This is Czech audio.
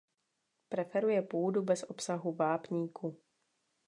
Preferuje půdu bez obsahu vápníku.